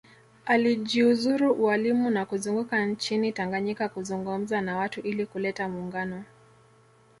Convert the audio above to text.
Alijiuzuru ualimu na kuzunguka nchini Tanganyika kuzungumza na watu ili kuleta muungano